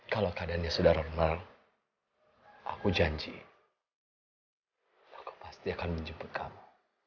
kalau keadaannya sudah normal aku janji aku pasti akan menjemput kamu